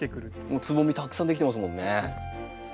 もうつぼみたくさんできてますもんね。